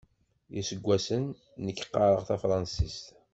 D iseggasen nekk qqareɣ tafransist.